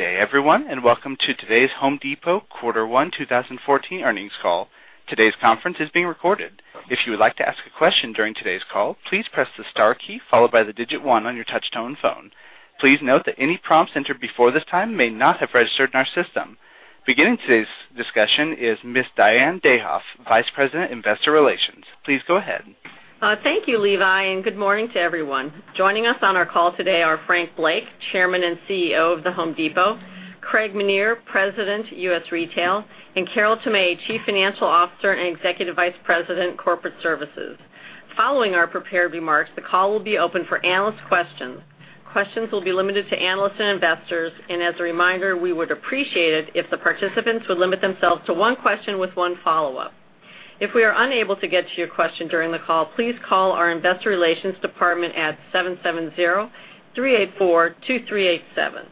Good day, everyone, welcome to today's The Home Depot Quarter One 2014 earnings call. Today's conference is being recorded. If you would like to ask a question during today's call, please press the star key followed by the digit 1 on your touch-tone phone. Please note that any prompts entered before this time may not have registered in our system. Beginning today's discussion is Ms. Diane Dayhoff, Vice President, Investor Relations. Please go ahead. Thank you, Levi, good morning to everyone. Joining us on our call today are Frank Blake, Chairman and CEO of The Home Depot, Craig Menear, President, U.S. Retail, and Carol Tomé, Chief Financial Officer and Executive Vice President, Corporate Services. Following our prepared remarks, the call will be open for analyst questions. Questions will be limited to analysts and investors, as a reminder, we would appreciate it if the participants would limit themselves to one question with one follow-up. If we are unable to get to your question during the call, please call our investor relations department at 770-384-2387.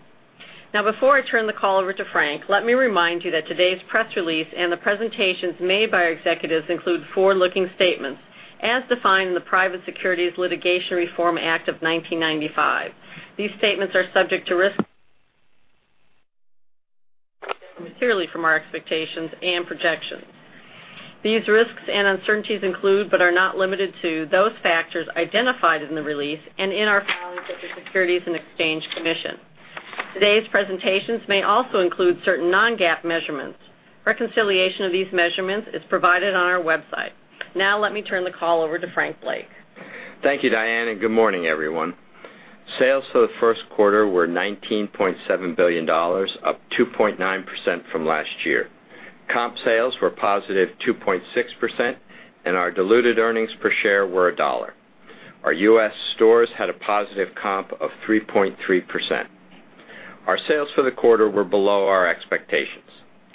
Before I turn the call over to Frank, let me remind you that today's press release and the presentations made by our executives include forward-looking statements as defined in the Private Securities Litigation Reform Act of 1995. These statements are subject to risks materially from our expectations and projections. These risks and uncertainties include, but are not limited to, those factors identified in the release and in our filings with the Securities and Exchange Commission. Today's presentations may also include certain non-GAAP measurements. Reconciliation of these measurements is provided on our website. Let me turn the call over to Frank Blake. Thank you, Diane, good morning, everyone. Sales for the first quarter were $19.7 billion, up 2.9% from last year. Comp sales were positive 2.6%, and our diluted earnings per share were $1. Our U.S. stores had a positive comp of 3.3%. Our sales for the quarter were below our expectations.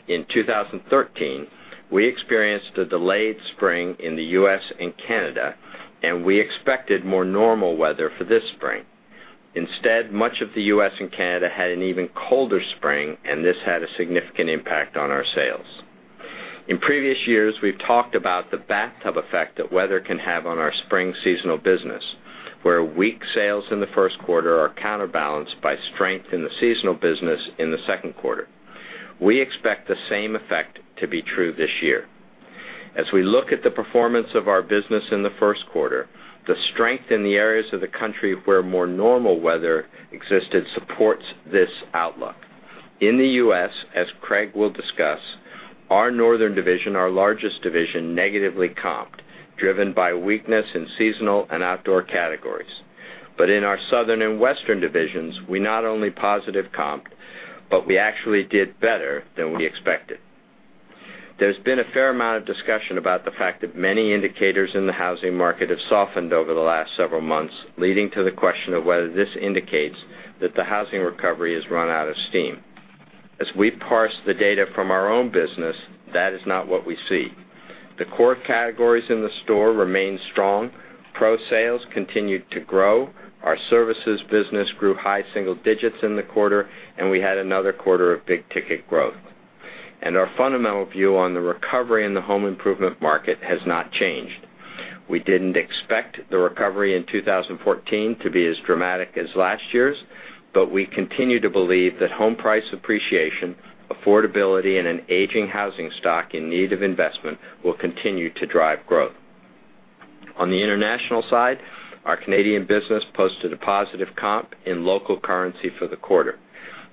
In 2013, we experienced a delayed spring in the U.S. and Canada, we expected more normal weather for this spring. Instead, much of the U.S. and Canada had an even colder spring, this had a significant impact on our sales. In previous years, we've talked about the bathtub effect that weather can have on our spring seasonal business, where weak sales in the first quarter are counterbalanced by strength in the seasonal business in the second quarter. We expect the same effect to be true this year. As we look at the performance of our business in the first quarter, the strength in the areas of the country where more normal weather existed supports this outlook. In the U.S., as Craig will discuss, our northern division, our largest division, negatively comped, driven by weakness in seasonal and outdoor categories. In our southern and western divisions, we not only positive comped, but we actually did better than we expected. There's been a fair amount of discussion about the fact that many indicators in the housing market have softened over the last several months, leading to the question of whether this indicates that the housing recovery has run out of steam. As we parse the data from our own business, that is not what we see. The core categories in the store remain strong. Pro sales continued to grow. Our services business grew high single digits in the quarter, and we had another quarter of big ticket growth. Our fundamental view on the recovery in the home improvement market has not changed. We didn't expect the recovery in 2014 to be as dramatic as last year's, but we continue to believe that home price appreciation, affordability, and an aging housing stock in need of investment will continue to drive growth. On the international side, our Canadian business posted a positive comp in local currency for the quarter.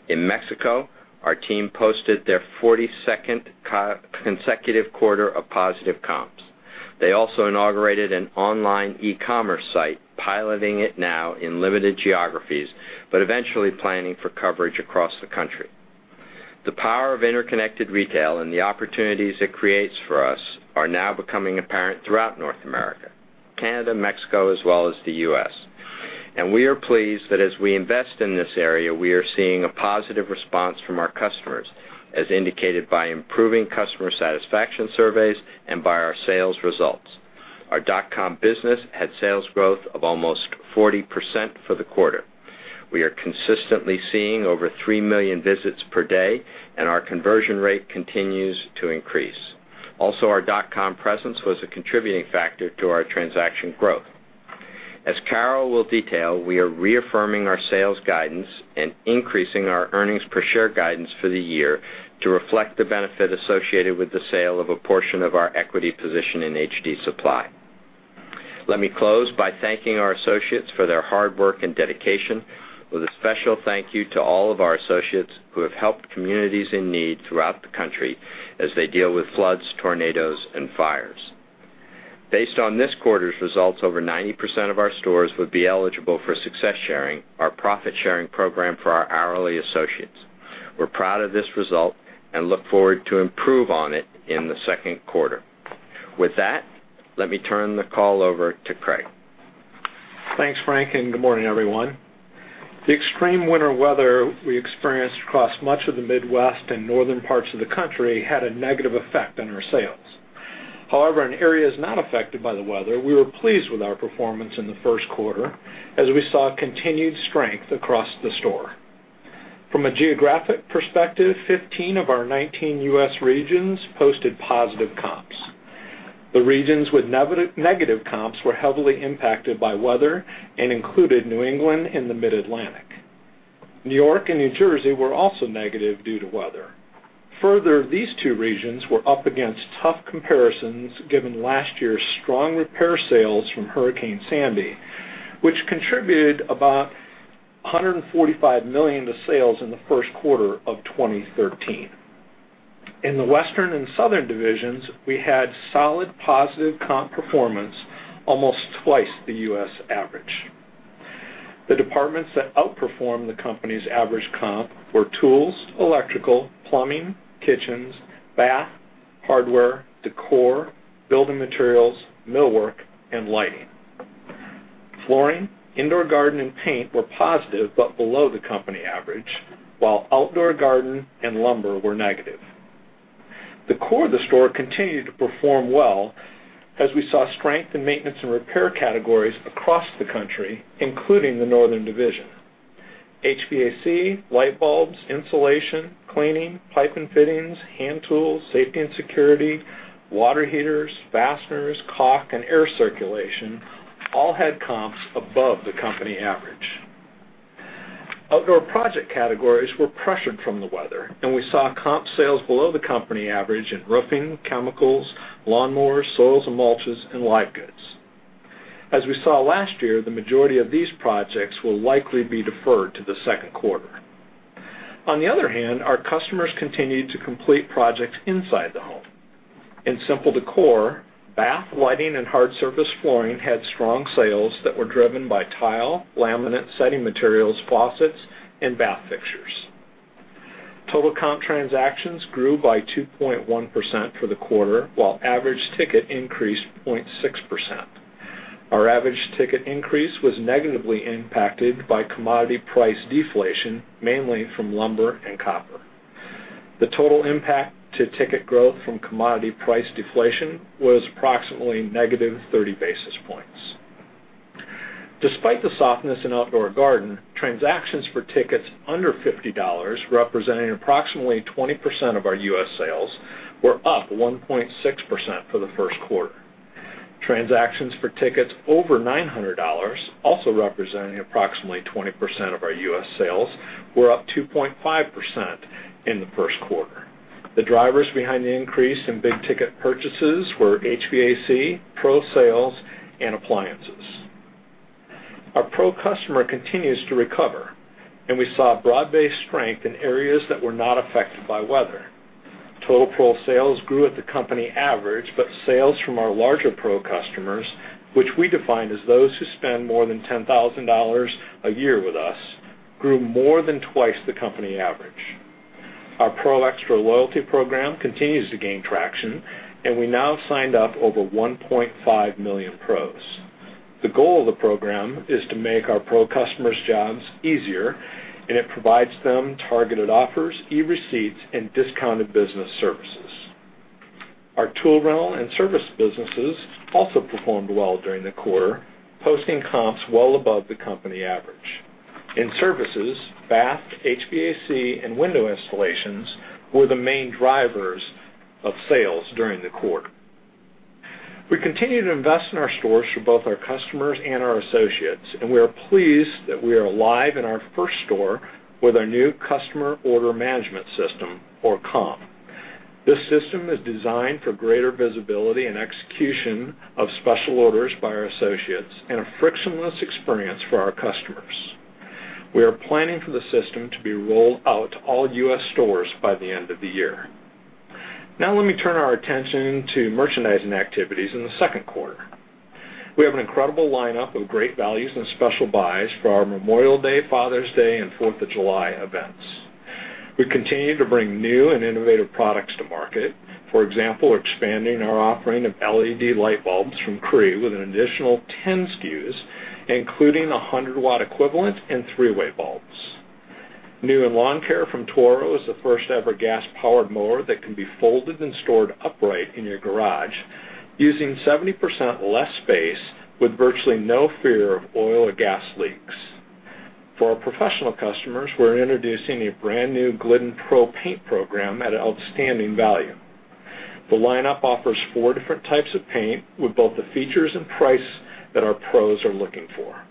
In Mexico, our team posted their 42nd consecutive quarter of positive comps. They also inaugurated an online e-commerce site, piloting it now in limited geographies, but eventually planning for coverage across the country. The power of interconnected retail and the opportunities it creates for us are now becoming apparent throughout North America, Canada, Mexico, as well as the U.S. We are pleased that as we invest in this area, we are seeing a positive response from our customers, as indicated by improving customer satisfaction surveys and by our sales results. Our dot-com business had sales growth of almost 40% for the quarter. We are consistently seeing over 3 million visits per day, and our conversion rate continues to increase. Also, our dot-com presence was a contributing factor to our transaction growth. As Carol will detail, we are reaffirming our sales guidance and increasing our earnings per share guidance for the year to reflect the benefit associated with the sale of a portion of our equity position in HD Supply. Let me close by thanking our associates for their hard work and dedication, with a special thank you to all of our associates who have helped communities in need throughout the country as they deal with floods, tornadoes, and fires. Based on this quarter's results, over 90% of our stores would be eligible for Success Sharing, our profit-sharing program for our hourly associates. We're proud of this result and look forward to improve on it in the second quarter. With that, let me turn the call over to Craig. Thanks, Frank, good morning, everyone. The extreme winter weather we experienced across much of the Midwest and northern parts of the country had a negative effect on our sales. However, in areas not affected by the weather, we were pleased with our performance in the first quarter as we saw continued strength across the store. From a geographic perspective, 15 of our 19 U.S. regions posted positive comps The regions with negative comps were heavily impacted by weather and included New England and the Mid-Atlantic. New York and New Jersey were also negative due to weather. Further, these two regions were up against tough comparisons given last year's strong repair sales from Hurricane Sandy, which contributed about $145 million to sales in the first quarter of 2013. In the Western and Southern divisions, we had solid positive comp performance almost twice the U.S. average. The departments that outperformed the company's average comp were tools, electrical, plumbing, kitchens, bath, hardware, decor, building materials, millwork, and lighting. Flooring, indoor garden, and paint were positive, but below the company average, while outdoor garden and lumber were negative. The core of the store continued to perform well as we saw strength in maintenance and repair categories across the country, including the Northern division. HVAC, light bulbs, insulation, cleaning, pipe and fittings, hand tools, safety and security, water heaters, fasteners, caulk, and air circulation all had comps above the company average. Outdoor project categories were pressured from the weather, we saw comp sales below the company average in roofing, chemicals, lawnmowers, soils and mulches, and live goods. As we saw last year, the majority of these projects will likely be deferred to the second quarter. On the other hand, our customers continued to complete projects inside the home. In simple decor, bath, lighting, and hard surface flooring had strong sales that were driven by tile, laminate, setting materials, faucets, and bath fixtures. Total comp transactions grew by 2.1% for the quarter, while average ticket increased 0.6%. Our average ticket increase was negatively impacted by commodity price deflation, mainly from lumber and copper. The total impact to ticket growth from commodity price deflation was approximately negative 30 basis points. Despite the softness in outdoor garden, transactions for tickets under $50, representing approximately 20% of our U.S. sales, were up 1.6% for the first quarter. Transactions for tickets over $900, also representing approximately 20% of our U.S. sales, were up 2.5% in the first quarter. The drivers behind the increase in big-ticket purchases were HVAC, pro sales, and appliances. Our pro customer continues to recover, we saw broad-based strength in areas that were not affected by weather. Total pro sales grew at the company average, sales from our larger pro customers, which we define as those who spend more than $10,000 a year with us, grew more than twice the company average. Our ProXtra loyalty program continues to gain traction, we now have signed up over 1.5 million pros. The goal of the program is to make our pro customers' jobs easier. It provides them targeted offers, e-receipts, and discounted business services. Our tool rental and service businesses also performed well during the quarter, posting comps well above the company average. In services, bath, HVAC, and window installations were the main drivers of sales during the quarter. We continue to invest in our stores for both our customers and our associates, and we are pleased that we are live in our first store with our new customer order management system, or COM. This system is designed for greater visibility and execution of special orders by our associates and a frictionless experience for our customers. We are planning for the system to be rolled out to all U.S. stores by the end of the year. Let me turn our attention to merchandising activities in the second quarter. We have an incredible lineup of great values and special buys for our Memorial Day, Father's Day, and Fourth of July events. We continue to bring new and innovative products to market. For example, expanding our offering of LED light bulbs from Cree with an additional 10 SKUs, including 100-watt equivalent and three-way bulbs. New in lawn care from Toro is the first-ever gas-powered mower that can be folded and stored upright in your garage using 70% less space with virtually no fear of oil or gas leaks. For our professional customers, we're introducing a brand-new Glidden Pro paint program at an outstanding value. The lineup offers 4 different types of paint with both the features and price that our pros are looking for.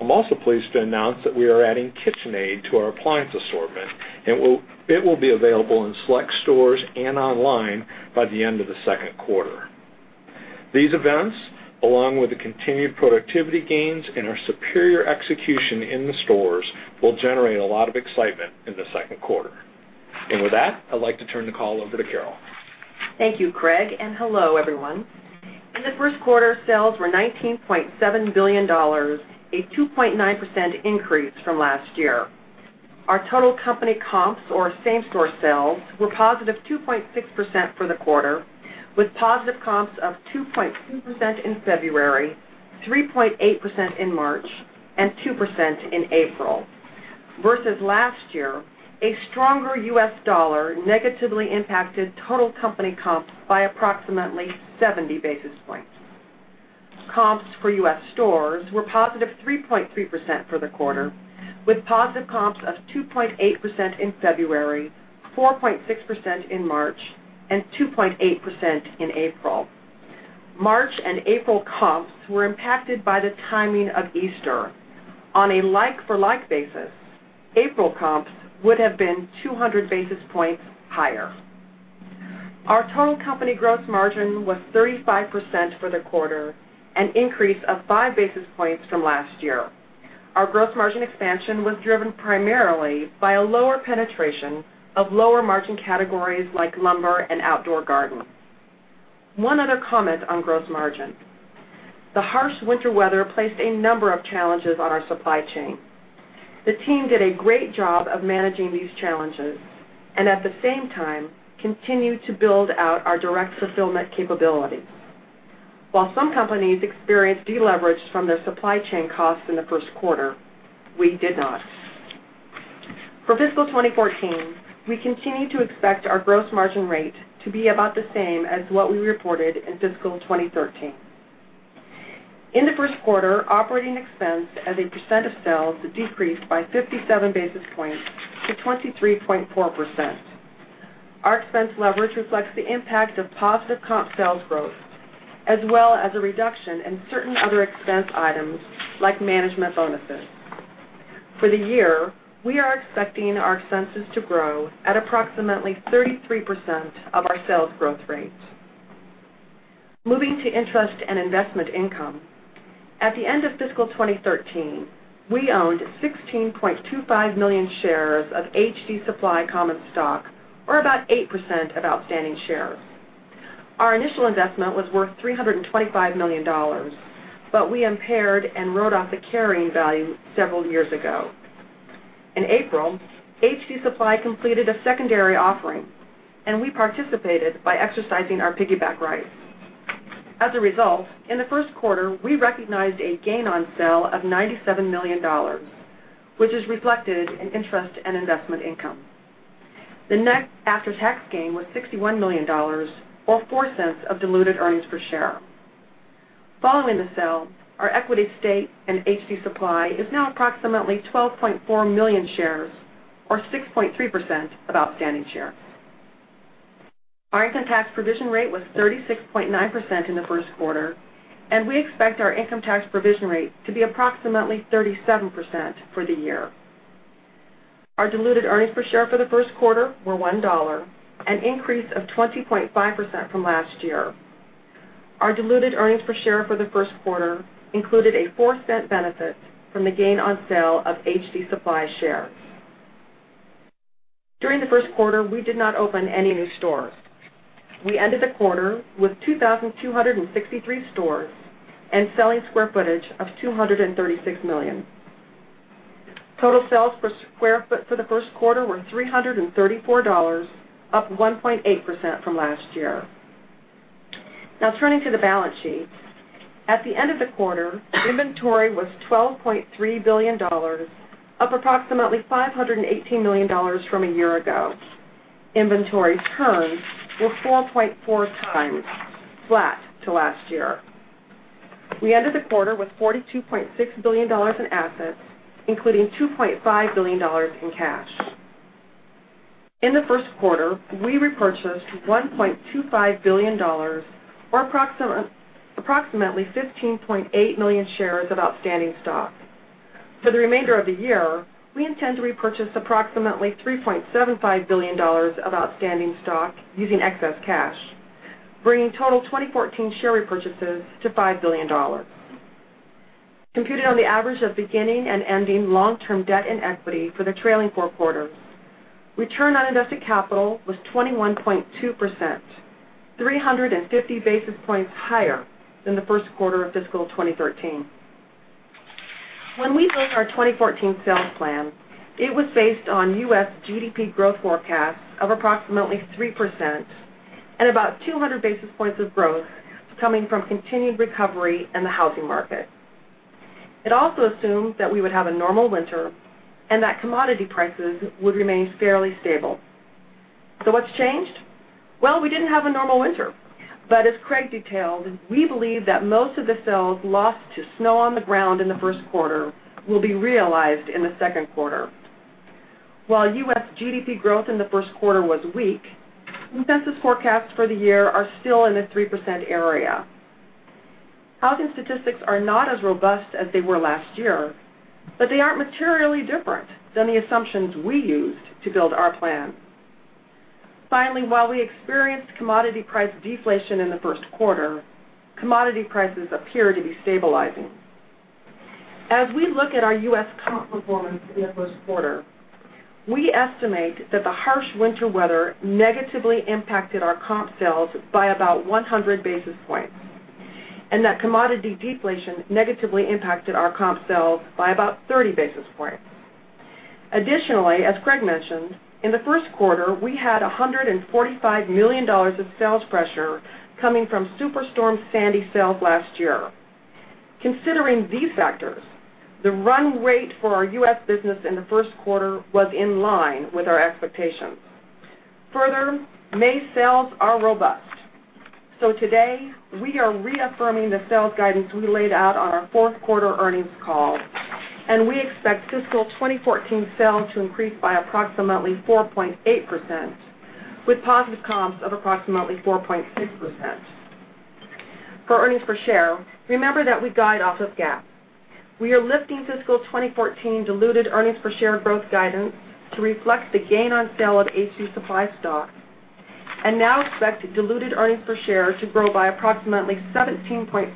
I'm also pleased to announce that we are adding KitchenAid to our appliance assortment. It will be available in select stores and online by the end of the second quarter. These events, along with the continued productivity gains and our superior execution in the stores, will generate a lot of excitement in the second quarter. With that, I'd like to turn the call over to Carol. Thank you, Craig. Hello, everyone. In the first quarter, sales were $19.7 billion, a 2.9% increase from last year. Our total company comps or same-store sales were positive 2.6% for the quarter, with positive comps of 2.2% in February, 3.8% in March, and 2% in April. Versus last year, a stronger U.S. dollar negatively impacted total company comp by approximately 70 basis points. Comps for U.S. stores were positive 3.3% for the quarter, with positive comps of 2.8% in February, 4.6% in March, and 2.8% in April. March and April comps were impacted by the timing of Easter. On a like-for-like basis, April comps would have been 200 basis points higher. Our total company gross margin was 35% for the quarter, an increase of five basis points from last year. Our gross margin expansion was driven primarily by a lower penetration of lower-margin categories like lumber and outdoor garden. One other comment on gross margin. The harsh winter weather placed a number of challenges on our supply chain. The team did a great job of managing these challenges, and at the same time, continued to build out our direct fulfillment capabilities. While some companies experienced deleverage from their supply chain costs in the first quarter, we did not. For fiscal 2014, we continue to expect our gross margin rate to be about the same as what we reported in fiscal 2013. In the first quarter, operating expense as a percent of sales decreased by 57 basis points to 23.4%. Our expense leverage reflects the impact of positive comp sales growth, as well as a reduction in certain other expense items like management bonuses. For the year, we are expecting our expenses to grow at approximately 33% of our sales growth rate. Moving to interest and investment income. At the end of fiscal 2013, we owned 16.25 million shares of HD Supply common stock, or about 8% of outstanding shares. Our initial investment was worth $325 million, but we impaired and wrote off the carrying value several years ago. In April, HD Supply completed a secondary offering. We participated by exercising our piggyback rights. As a result, in the first quarter, we recognized a gain on sale of $97 million, which is reflected in interest and investment income. The net after-tax gain was $61 million, or $0.04 of diluted earnings per share. Following the sale, our equity stake in HD Supply is now approximately 12.4 million shares, or 6.3% of outstanding shares. Our income tax provision rate was 36.9% in the first quarter. We expect our income tax provision rate to be approximately 37% for the year. Our diluted earnings per share for the first quarter were $1, an increase of 20.5% from last year. Our diluted earnings per share for the first quarter included a $0.04 benefit from the gain on sale of HD Supply shares. During the first quarter, we did not open any new stores. We ended the quarter with 2,263 stores and selling square footage of 236 million. Total sales per square foot for the first quarter were $334, up 1.8% from last year. Turning to the balance sheet. At the end of the quarter, inventory was $12.3 billion, up approximately $518 million from a year ago. Inventory turns were 4.4 times, flat to last year. We ended the quarter with $42.6 billion in assets, including $2.5 billion in cash. In the first quarter, we repurchased $1.25 billion, or approximately 15.8 million shares of outstanding stock. For the remainder of the year, we intend to repurchase approximately $3.75 billion of outstanding stock using excess cash, bringing total 2014 share repurchases to $5 billion. Computed on the average of beginning and ending long-term debt and equity for the trailing four quarters, return on invested capital was 21.2%, 350 basis points higher than the first quarter of fiscal 2013. When we built our 2014 sales plan, it was based on U.S. GDP growth forecasts of approximately 3% and about 200 basis points of growth coming from continued recovery in the housing market. It also assumed that we would have a normal winter and that commodity prices would remain fairly stable. What's changed? We didn't have a normal winter. As Craig detailed, we believe that most of the sales lost to snow on the ground in the first quarter will be realized in the second quarter. While U.S. GDP growth in the first quarter was weak, consensus forecasts for the year are still in the 3% area. Housing statistics are not as robust as they were last year, but they aren't materially different than the assumptions we used to build our plan. Finally, while we experienced commodity price deflation in the first quarter, commodity prices appear to be stabilizing. As we look at our U.S. comp performance in the first quarter, we estimate that the harsh winter weather negatively impacted our comp sales by about 100 basis points and that commodity deflation negatively impacted our comp sales by about 30 basis points. Additionally, as Craig mentioned, in the first quarter, we had $145 million of sales pressure coming from Superstorm Sandy sales last year. Considering these factors, the run rate for our U.S. business in the first quarter was in line with our expectations. Further, May sales are robust. Today, we are reaffirming the sales guidance we laid out on our fourth-quarter earnings call, and we expect fiscal 2014 sales to increase by approximately 4.8%, with positive comps of approximately 4.6%. For earnings per share, remember that we guide off of GAAP. We are lifting fiscal 2014 diluted earnings per share growth guidance to reflect the gain on sale of HD Supply stock, and now expect diluted earnings per share to grow by approximately 17.6%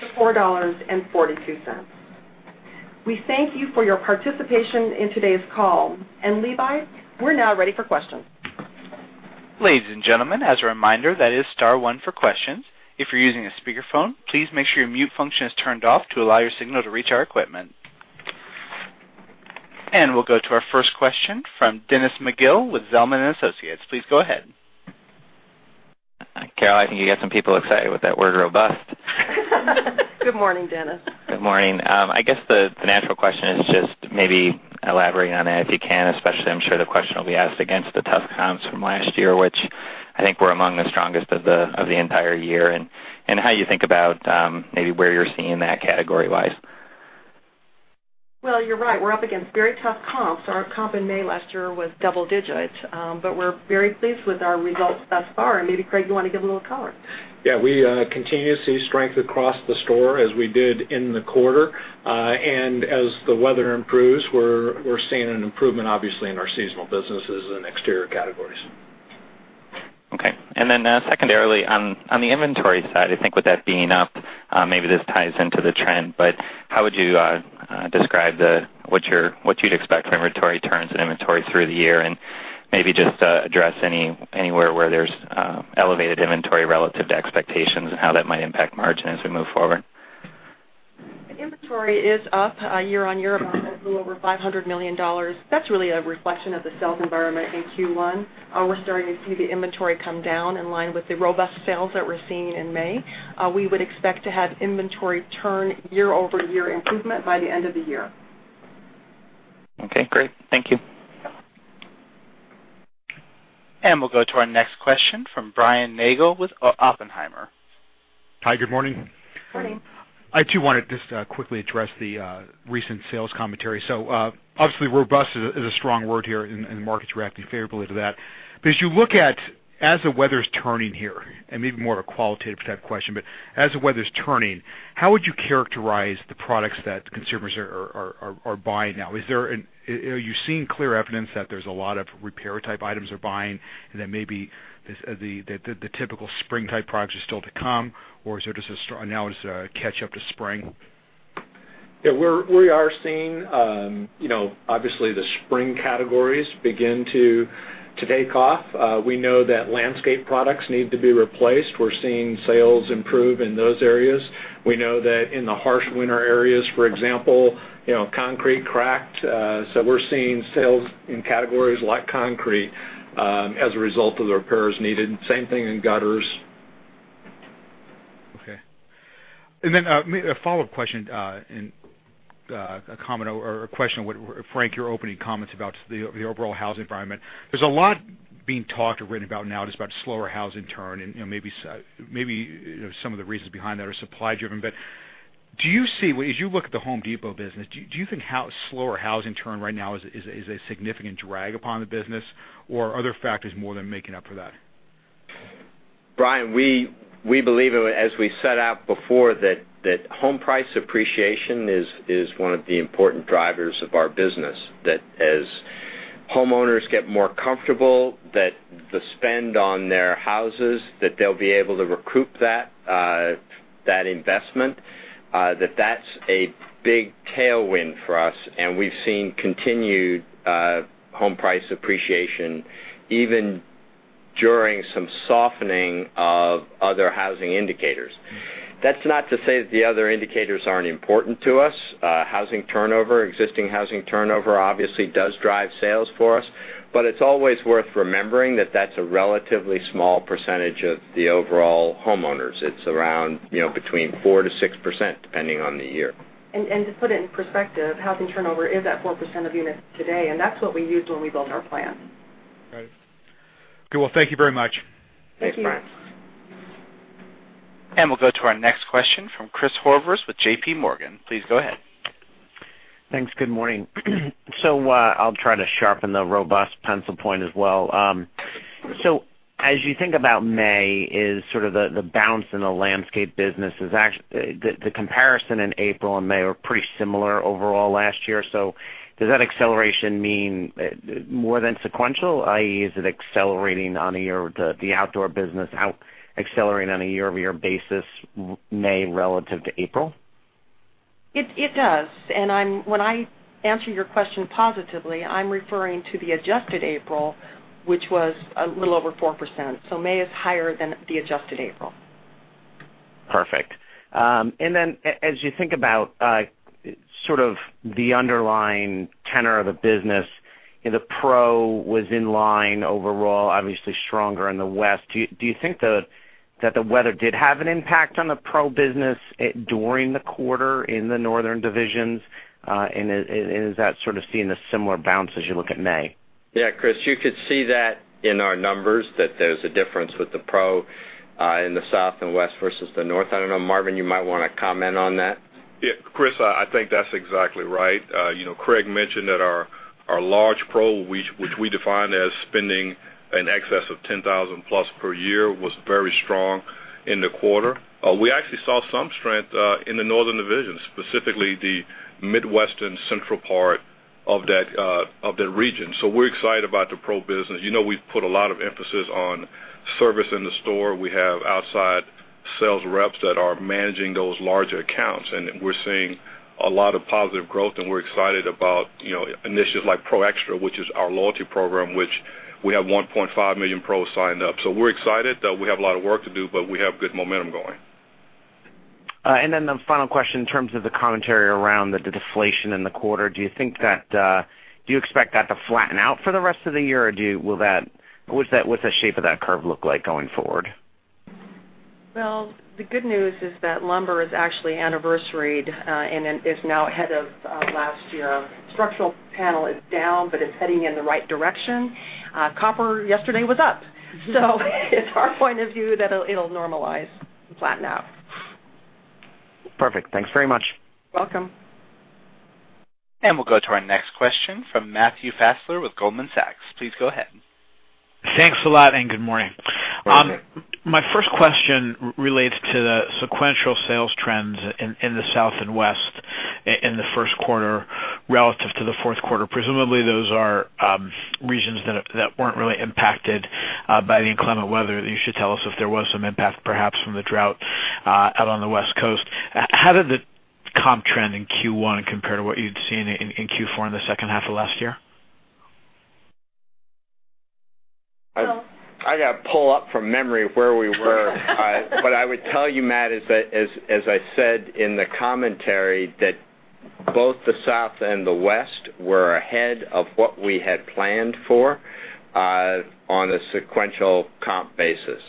to $4.42. We thank you for your participation in today's call. Levi, we're now ready for questions. Ladies and gentlemen, as a reminder, that is star one for questions. If you're using a speakerphone, please make sure your mute function is turned off to allow your signal to reach our equipment. We'll go to our first question from Dennis McGill with Zelman & Associates. Please go ahead. Carol, I think you got some people excited with that word, robust. Good morning, Dennis. Good morning. I guess the natural question is just maybe elaborate on that, if you can, especially I'm sure the question will be asked against the tough comps from last year, which I think were among the strongest of the entire year, and how you think about maybe where you're seeing that category-wise. Well, you're right. We're up against very tough comps. Our comp in May last year was double digits, but we're very pleased with our results thus far. Maybe, Craig, you want to give a little color. Yeah, we continue to see strength across the store as we did in the quarter. As the weather improves, we're seeing an improvement, obviously, in our seasonal businesses and exterior categories. Okay. Secondarily, on the inventory side, I think with that being up, maybe this ties into the trend, but how would you describe what you'd expect for inventory turns and inventory through the year? Maybe just address anywhere where there's elevated inventory relative to expectations and how that might impact margin as we move forward. Inventory is up year-on-year by a little over $500 million. That's really a reflection of the sales environment in Q1. We're starting to see the inventory come down in line with the robust sales that we're seeing in May. We would expect to have inventory turn year-over-year improvement by the end of the year. Okay, great. Thank you. We'll go to our next question from Brian Nagel with Oppenheimer. Hi, good morning. Morning. I too wanted just to quickly address the recent sales commentary. Obviously, robust is a strong word here, and the market's reacting favorably to that. As you look at, as the weather's turning here, and maybe more of a qualitative-type question, but as the weather's turning, how would you characterize the products that consumers are buying now? Are you seeing clear evidence that there's a lot of repair-type items they're buying and that maybe the typical spring-type products are still to come? Or now it's catch up to spring? Yeah, we are seeing, obviously, the spring categories begin to take off. We know that landscape products need to be replaced. We're seeing sales improve in those areas. We know that in the harsh winter areas, for example, concrete cracked, so we're seeing sales in categories like concrete, as a result of the repairs needed. Same thing in gutters. Okay. A follow-up question, and a question with, Frank, your opening comments about the overall housing environment. There's a lot being talked or written about now, just about slower housing turn and maybe some of the reasons behind that are supply-driven. As you look at The Home Depot business, do you think slower housing turn right now is a significant drag upon the business, or are other factors more than making up for that? Brian, we believe, as we set out before, that home price appreciation is one of the important drivers of our business, that as homeowners get more comfortable, that the spend on their houses, that they'll be able to recoup that investment, that that's a big tailwind for us. We've seen continued home price appreciation, even during some softening of other housing indicators. That's not to say that the other indicators aren't important to us. Housing turnover, existing housing turnover obviously does drive sales for us, but it's always worth remembering that that's a relatively small percentage of the overall homeowners. It's around between 4%-6%, depending on the year. To put it in perspective, housing turnover is at 4% of units today, and that's what we use when we build our plans. Got it. Good. Well, thank you very much. Thank you. Thanks, Brian. We'll go to our next question from Chris Horvers with JPMorgan. Please go ahead. Thanks. Good morning. I'll try to sharpen the robust pencil point as well. As you think about May, is sort of the bounce in the landscape business, the comparison in April and May were pretty similar overall last year. Does that acceleration mean more than sequential, i.e., is it accelerating on a year-over-year basis, May relative to April? It does. When I answer your question positively, I'm referring to the adjusted April, which was a little over 4%. May is higher than the adjusted April. Perfect. As you think about sort of the underlying tenor of the business, the pro was in line overall, obviously stronger in the West. Do you think that the weather did have an impact on the pro business during the quarter in the northern divisions? Is that sort of seeing a similar bounce as you look at May? Yeah, Chris, you could see that in our numbers, that there's a difference with the pro in the South and West versus the North. I don't know, Marvin, you might want to comment on that. Yeah, Chris, I think that's exactly right. Craig mentioned that our large pro, which we define as spending in excess of 10,000-plus per year, was very strong in the quarter. We actually saw some strength in the northern division, specifically the Midwest and central part of that region. We're excited about the pro business. We've put a lot of emphasis on service in the store. We have outside sales reps that are managing those larger accounts, and we're seeing a lot of positive growth, and we're excited about initiatives like Pro Xtra, which is our loyalty program, which we have 1.5 million pros signed up. We're excited. We have a lot of work to do, we have good momentum going. The final question in terms of the commentary around the deflation in the quarter, do you expect that to flatten out for the rest of the year, or what's the shape of that curve look like going forward? Well, the good news is that lumber is actually anniversaried and is now ahead of last year. Structural panel is down, but it's heading in the right direction. Copper yesterday was up, it's our point of view that it'll normalize and flatten out. Perfect. Thanks very much. Welcome. We'll go to our next question from Matthew Fessler with Goldman Sachs. Please go ahead. Thanks a lot, good morning. My first question relates to the sequential sales trends in the South and West in the first quarter relative to the fourth quarter. Presumably, those are regions that weren't really impacted by the inclement weather. You should tell us if there was some impact, perhaps from the drought out on the West Coast. How did the comp trend in Q1 compare to what you'd seen in Q4 in the second half of last year? Well- I got to pull up from memory where we were. I would tell you, Matt, is that as I said in the commentary, that both the South and the West were ahead of what we had planned for on a sequential comp basis.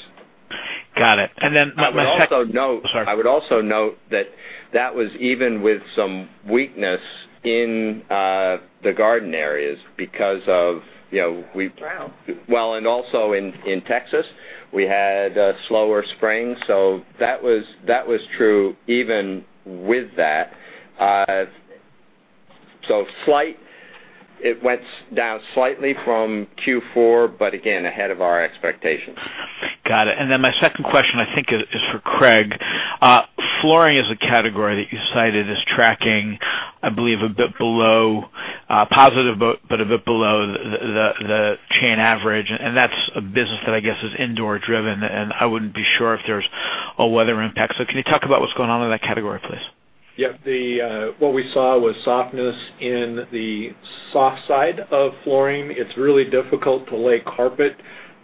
Got it. Then my second- I would also note- Sorry. I would also note that that was even with some weakness in the garden areas because of- Drought well, Also in Texas, we had a slower spring. That was true even with that. It went down slightly from Q4, again, ahead of our expectations. Got it. Then my second question, I think, is for Craig. Flooring is a category that you cited as tracking, I believe, a bit below positive, a bit below the chain average. That's a business that I guess is indoor-driven. I wouldn't be sure if there's a weather impact. Can you talk about what's going on in that category, please? Yep. What we saw was softness in the soft side of flooring. It's really difficult to lay carpet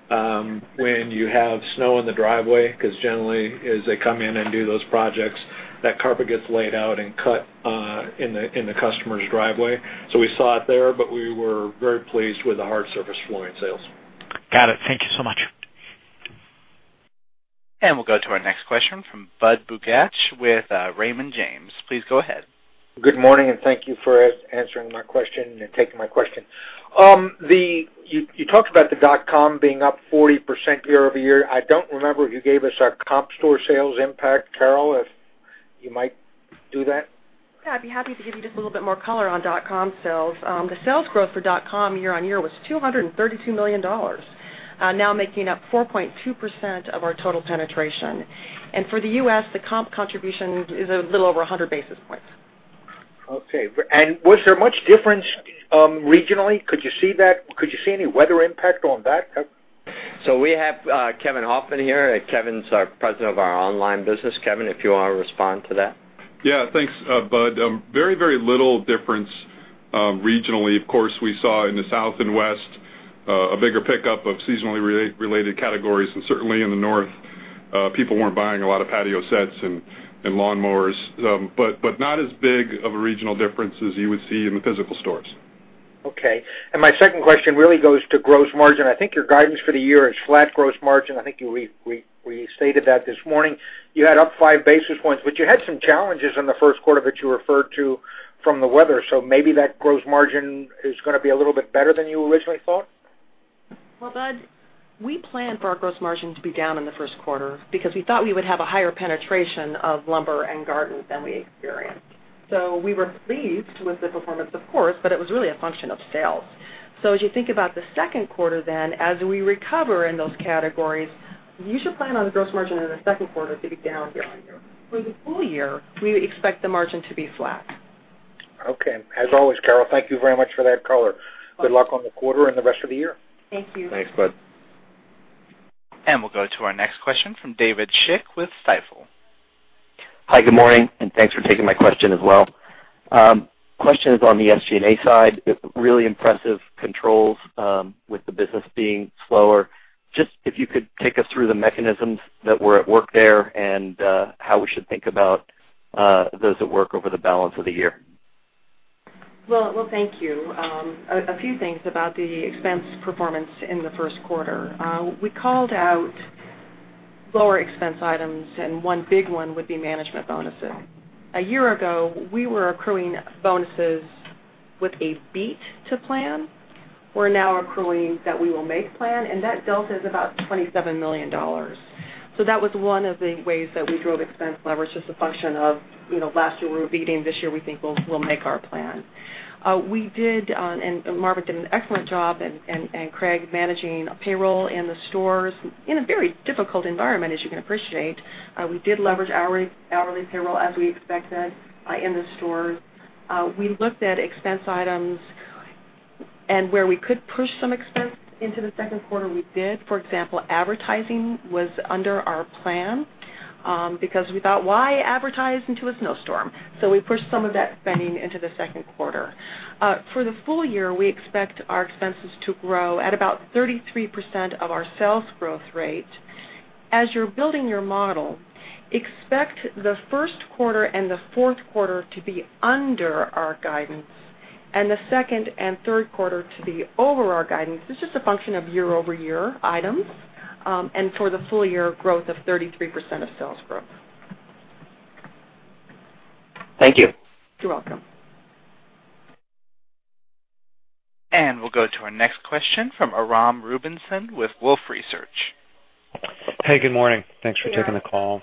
when you have snow in the driveway, because generally, as they come in and do those projects, that carpet gets laid out and cut in the customer's driveway. We saw it there, we were very pleased with the hard surface flooring sales. Got it. Thank you so much. We'll go to our next question from Budd Bugatch with Raymond James. Please go ahead. Good morning, and thank you for answering my question and taking my question. You talked about the dot-com being up 40% year-over-year. I don't remember if you gave us a comp store sales impact. Carol, if you might do that. Yeah, I'd be happy to give you just a little bit more color on dot-com sales. The sales growth for dot-com year-on-year was $232 million, now making up 4.2% of our total penetration. For the U.S., the comp contribution is a little over 100 basis points. Okay. Was there much difference regionally? Could you see any weather impact on that? We have Kevin Hofmann here. Kevin's our president of our online business. Kevin, if you want to respond to that. Thanks, Budd. Very little difference regionally. Of course, we saw in the South and West a bigger pickup of seasonally related categories, and certainly in the North, people weren't buying a lot of patio sets and lawn mowers. Not as big of a regional difference as you would see in the physical stores. My second question really goes to gross margin. I think your guidance for the year is flat gross margin. I think you restated that this morning. You had up five basis points, but you had some challenges in the first quarter that you referred to from the weather. Maybe that gross margin is going to be a little bit better than you originally thought? Well, Budd, we planned for our gross margin to be down in the first quarter because we thought we would have a higher penetration of lumber and garden than we experienced. We were pleased with the performance, of course, but it was really a function of sales. As you think about the second quarter then, as we recover in those categories, you should plan on the gross margin in the second quarter to be down year-on-year. For the full year, we expect the margin to be flat. Okay. As always, Carol, thank you very much for that color. Good luck on the quarter and the rest of the year. Thank you. Thanks, Budd. We'll go to our next question from David Schick with Stifel. Hi, good morning, and thanks for taking my question as well. Question is on the SG&A side, really impressive controls with the business being slower. If you could take us through the mechanisms that were at work there and how we should think about those at work over the balance of the year. Well, thank you. A few things about the expense performance in the first quarter. We called out lower expense items, one big one would be management bonuses. A year ago, we were accruing bonuses with a beat to plan. We're now accruing that we will make plan, that delta is about $27 million. That was one of the ways that we drove expense leverage. A function of last year we were beating, this year, we think we'll make our plan. We did, Marvin did an excellent job, Craig, managing payroll in the stores in a very difficult environment, as you can appreciate. We did leverage hourly payroll as we expected in the stores. We looked at expense items and where we could push some expense into the second quarter, we did. For example, advertising was under our plan because we thought, why advertise into a snowstorm? We pushed some of that spending into the second quarter. For the full year, we expect our expenses to grow at about 33% of our sales growth rate. As you're building your model, expect the first quarter and the fourth quarter to be under our guidance, the second and third quarter to be over our guidance. It's just a function of year-over-year items, for the full year growth of 33% of sales growth. Thank you. You're welcome. We'll go to our next question from Aram Rubinson with Wolfe Research. Hey, good morning. Thanks for taking the call.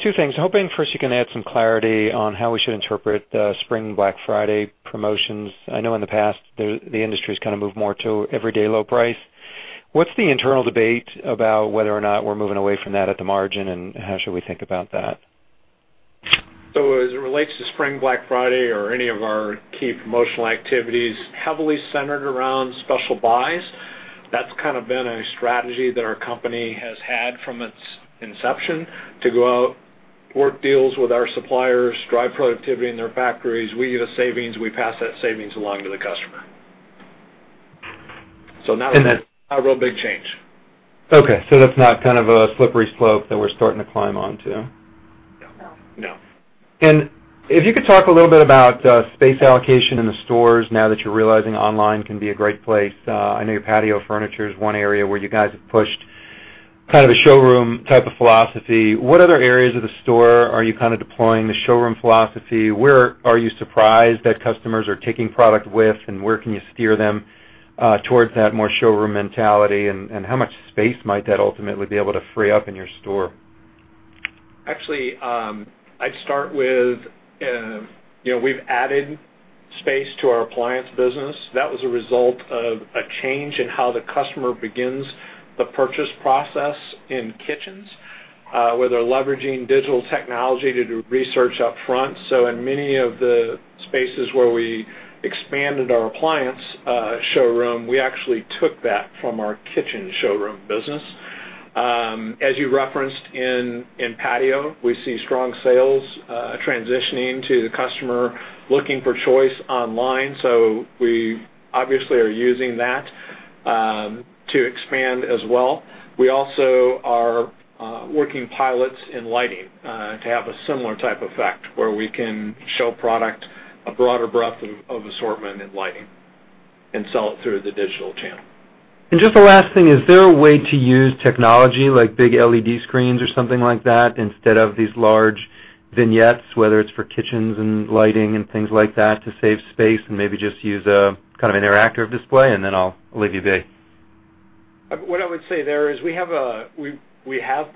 Two things. Hoping first you can add some clarity on how we should interpret the Spring Black Friday promotions. I know in the past, the industry's moved more to everyday low price. What's the internal debate about whether or not we're moving away from that at the margin, and how should we think about that? As it relates to Spring Black Friday or any of our key promotional activities heavily centered around special buys, that's been a strategy that our company has had from its inception to go out, work deals with our suppliers, drive productivity in their factories. We get a savings, we pass that savings along to the customer. then- not a real big change. Okay, that's not a slippery slope that we're starting to climb onto. No. No. No. If you could talk a little bit about space allocation in the stores now that you're realizing online can be a great place. I know your patio furniture is one area where you guys have pushed a showroom type of philosophy. What other areas of the store are you deploying the showroom philosophy? Where are you surprised that customers are taking product with, and where can you steer them towards that more showroom mentality, and how much space might that ultimately be able to free up in your store? Actually, I'd start with we've added space to our appliance business. That was a result of a change in how the customer begins the purchase process in kitchens, where they're leveraging digital technology to do research up front. In many of the spaces where we expanded our appliance showroom, we actually took that from our kitchen showroom business. As you referenced in patio, we see strong sales transitioning to the customer looking for choice online, we obviously are using that to expand as well. We also are working pilots in lighting to have a similar type effect where we can show product, a broader breadth of assortment in lighting and sell it through the digital channel. Just the last thing, is there a way to use technology like big LED screens or something like that instead of these large vignettes, whether it's for kitchens and lighting and things like that to save space and maybe just use a kind of interactive display, and then I'll leave you be. What I would say there is we have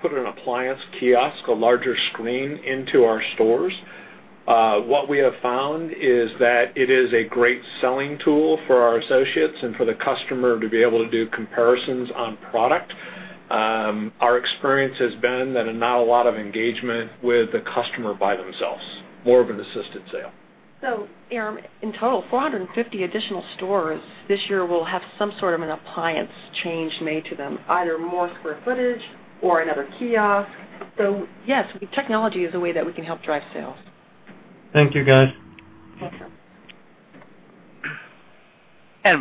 put an appliance kiosk, a larger screen into our stores. What we have found is that it is a great selling tool for our associates and for the customer to be able to do comparisons on product. Our experience has been that not a lot of engagement with the customer by themselves, more of an assisted sale. Aram, in total, 450 additional stores this year will have some sort of an appliance change made to them, either more square footage or another kiosk. Yes, technology is a way that we can help drive sales. Thank you, guys. Welcome.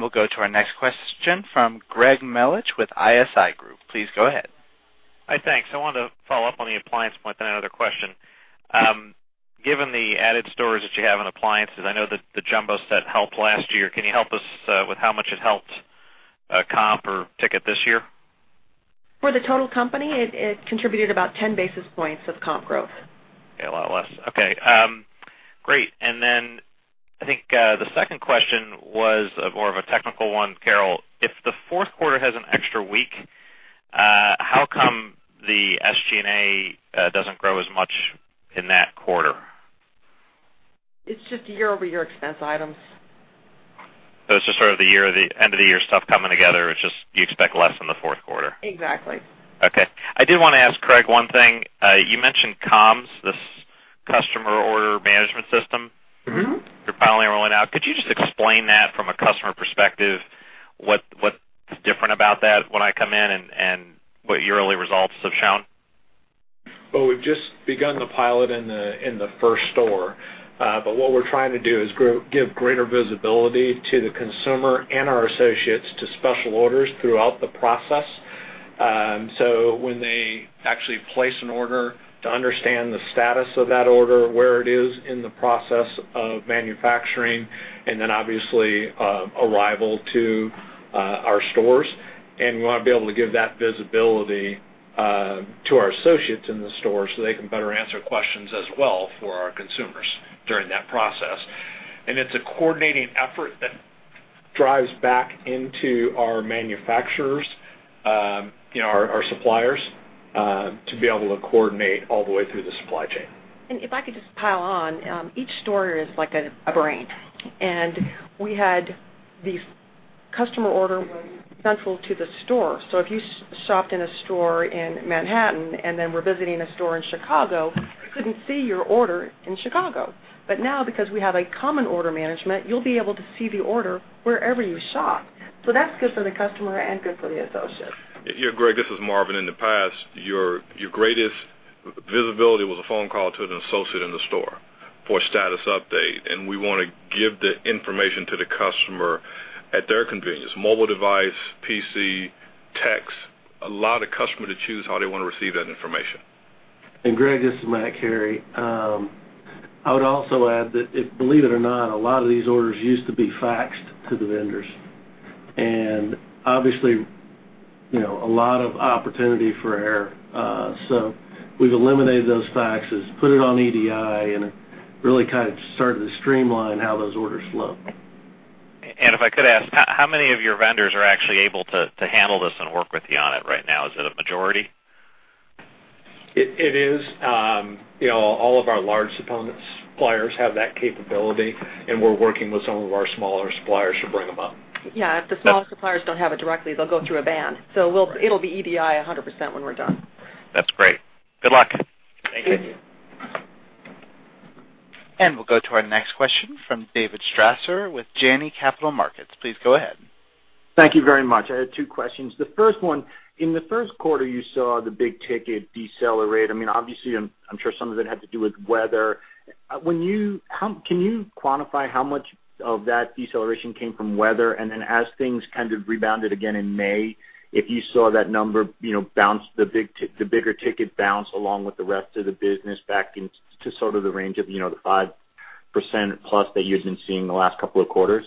We'll go to our next question from Gregory Melich with ISI Group. Please go ahead. Hi. Thanks. I wanted to follow up on the appliance point, then another question. Given the added stores that you have in appliances, I know that the jumbo set helped last year. Can you help us with how much it helped comp or ticket this year? For the total company, it contributed about 10 basis points of comp growth. Okay. A lot less. Okay. Great. I think the second question was more of a technical one. Carol, if the fourth quarter has an extra week, how come the SG&A doesn't grow as much in that quarter? It's just year-over-year expense items. It's just sort of the end of the year stuff coming together. It's just you expect less in the fourth quarter. Exactly. Okay. I did want to ask Craig one thing. You mentioned COM, this Customer Order Management system. You're finally rolling out. Could you just explain that from a customer perspective, what's different about that when I come in and what your early results have shown? Well, we've just begun the pilot in the first store. What we're trying to do is give greater visibility to the consumer and our associates to special orders throughout the process. When they actually place an order, to understand the status of that order, where it is in the process of manufacturing, and then obviously, arrival to our stores. We want to be able to give that visibility to our associates in the store so they can better answer questions as well for our consumers during that process. It's a coordinating effort that drives back into our manufacturers, our suppliers, to be able to coordinate all the way through the supply chain. If I could just pile on, each store is like an island. We had these customer order central to the store. If you shopped in a store in Manhattan and then were visiting a store in Chicago, couldn't see your order in Chicago. Now, because we have a common order management, you'll be able to see the order wherever you shop. That's good for the customer and good for the associates. Yeah, Greg, this is Marvin. In the past, your greatest visibility was a phone call to an associate in the store for a status update. We want to give the information to the customer at their convenience. Mobile device, PC, text, allow the customer to choose how they want to receive that information. Greg, this is Matt Carey. I would also add that believe it or not, a lot of these orders used to be faxed to the vendors. Obviously, a lot of opportunity for error. We've eliminated those faxes, put it on EDI, and it really started to streamline how those orders flow. If I could ask, how many of your vendors are actually able to handle this and work with you on it right now? Is it a majority? It is. All of our large suppliers have that capability, and we're working with some of our smaller suppliers to bring them up. Yeah. If the smaller suppliers don't have it directly, they'll go through a VAN. It'll be EDI 100% when we're done. That's great. Good luck. Thank you. Thank you. We'll go to our next question from David Strasser with Janney Montgomery Scott. Please go ahead. Thank you very much. I had two questions. The first one, in the first quarter, you saw the big ticket decelerate. Obviously, I'm sure some of it had to do with weather. Can you quantify how much of that deceleration came from weather? Then as things rebounded again in May, if you saw that number bounce, the bigger ticket bounce along with the rest of the business back into the range of the 5% plus that you've been seeing the last couple of quarters?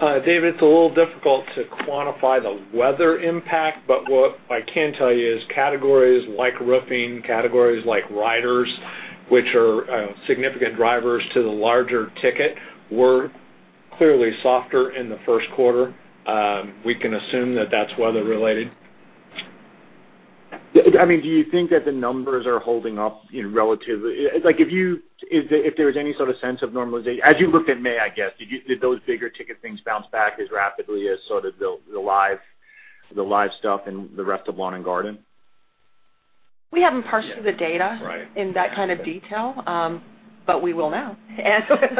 David, it's a little difficult to quantify the weather impact, but what I can tell you is categories like roofing, categories like riders, which are significant drivers to the larger ticket, were clearly softer in the first quarter. We can assume that that's weather related. Do you think that the numbers are holding up relatively if there was any sort of sense of normalization, as you looked at May, I guess, did those bigger ticket things bounce back as rapidly as the live stuff and the rest of lawn and garden? We haven't parsed through the data Right in that kind of detail. We will now.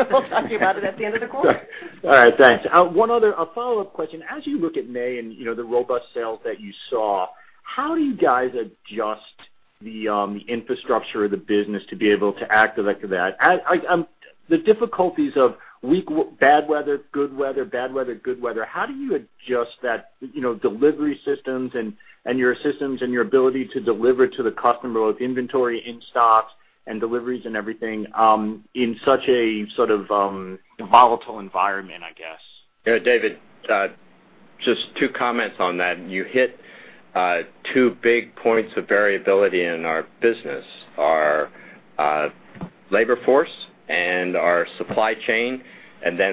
We'll talk to you about it at the end of the quarter. All right. Thanks. One other follow-up question. As you look at May and the robust sales that you saw, how do you guys adjust the infrastructure of the business to be able to act like that? The difficulties of bad weather, good weather, bad weather, good weather, how do you adjust that delivery systems and your systems and your ability to deliver to the customer with inventory in stocks and deliveries and everything in such a volatile environment, I guess? David, just two comments on that. You hit two big points of variability in our business. Our labor force and our supply chain,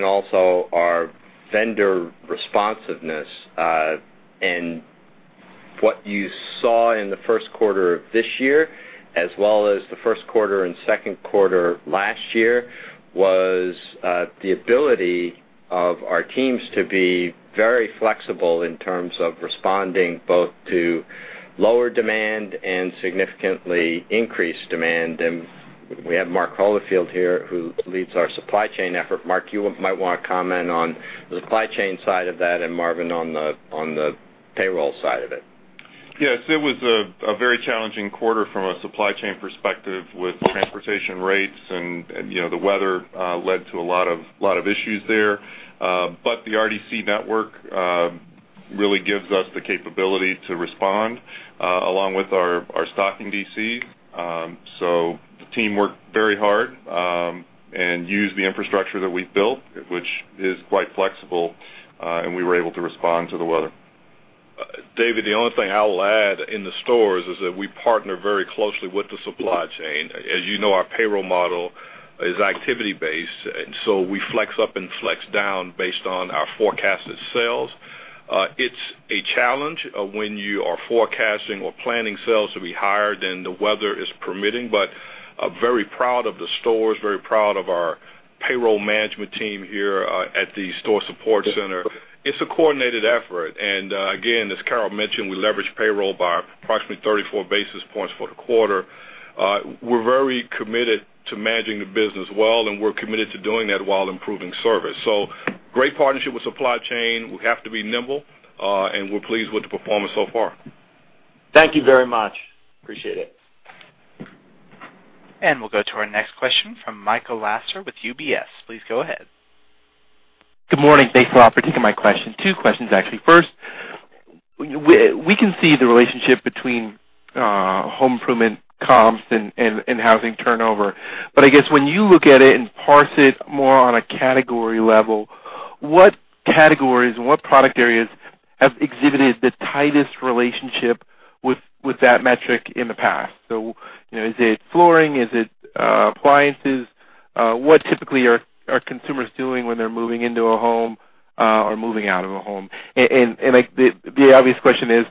also our vendor responsiveness. What you saw in the first quarter of this year, as well as the first quarter and second quarter last year, was the ability of our teams to be very flexible in terms of responding both to lower demand and significantly increased demand. We have Mark Holifield here, who leads our supply chain effort. Mark, you might want to comment on the supply chain side of that and Marvin on the payroll side of it. Yes, it was a very challenging quarter from a supply chain perspective with transportation rates and the weather led to a lot of issues there. The RDC network really gives us the capability to respond along with our stock in DC. The team worked very hard and used the infrastructure that we've built, which is quite flexible, and we were able to respond to the weather. David, the only thing I'll add in the stores is that we partner very closely with the supply chain. So we flex up and flex down based on our forecasted sales. It's a challenge when you are forecasting or planning sales to be higher than the weather is permitting. I'm very proud of the stores, very proud of our payroll management team here at the store support center. It's a coordinated effort. Again, as Carol Tomé mentioned, we leveraged payroll by approximately 34 basis points for the quarter. We're very committed to managing the business well, and we're committed to doing that while improving service. Great partnership with supply chain. We have to be nimble. We're pleased with the performance so far. Thank you very much. Appreciate it. We'll go to our next question from Michael Lasser with UBS. Please go ahead. Good morning. Thanks for the opportunity. My question, two questions, actually. First, we can see the relationship between home improvement comps and housing turnover. I guess when you look at it and parse it more on a category level, what categories and what product areas have exhibited the tightest relationship with that metric in the past? Is it flooring? Is it appliances? What typically are consumers doing when they're moving into a home or moving out of a home? The obvious question is,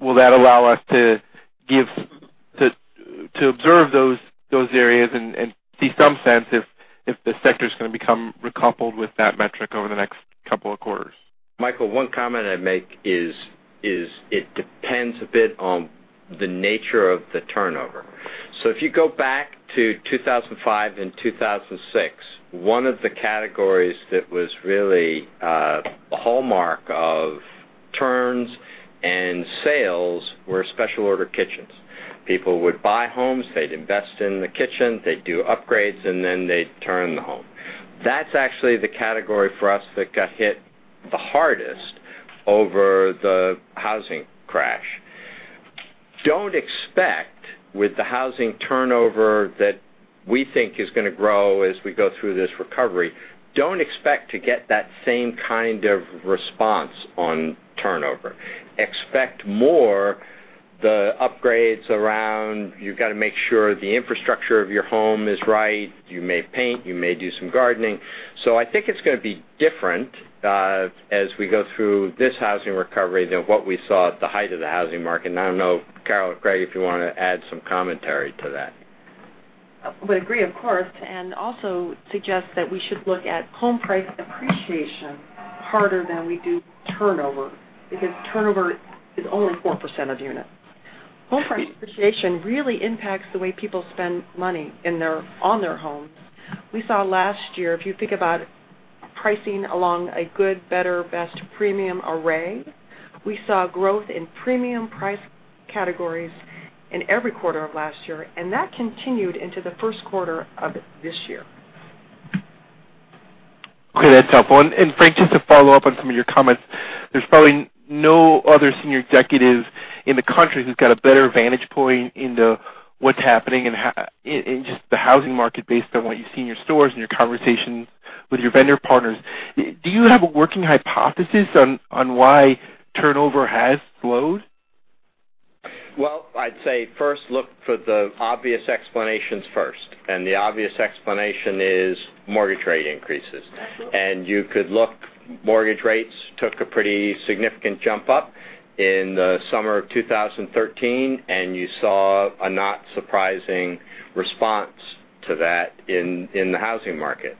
will that allow us to observe those areas and see some sense if the sector's going to become recoupled with that metric over the next couple of quarters? Michael, one comment I'd make is it depends a bit on the nature of the turnover. If you go back to 2005 and 2006, one of the categories that was really a hallmark of turns and sales were special order kitchens. People would buy homes. They'd invest in the kitchen. They'd do upgrades, and then they'd turn the home. That's actually the category for us that got hit the hardest over the housing crash. Don't expect with the housing turnover that we think is going to grow as we go through this recovery. Don't expect to get that same kind of response on turnover. Expect more the upgrades around, you've got to make sure the infrastructure of your home is right. You may paint, you may do some gardening. I think it's going to be different as we go through this housing recovery than what we saw at the height of the housing market. I don't know, Carol, Craig, if you want to add some commentary to that. Would agree, of course, also suggest that we should look at home price appreciation harder than we do turnover because turnover is only 4% of units. Home price appreciation really impacts the way people spend money on their homes. We saw last year, if you think about pricing along a good, better, best premium array, we saw growth in premium price categories in every quarter of last year, and that continued into the first quarter of this year. Okay, that's helpful. Frank, just to follow up on some of your comments. There's probably no other senior executive in the country who's got a better vantage point into what's happening in just the housing market based on what you see in your stores and your conversations with your vendor partners. Do you have a working hypothesis on why turnover has slowed? Well, I'd say first look for the obvious explanations first, the obvious explanation is mortgage rate increases. Absolutely. You could look, mortgage rates took a pretty significant jump up in the summer of 2013, you saw a not surprising response to that in the housing market.